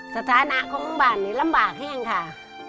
สถานะของบ้านนี้ลำบากแห้งค่ะ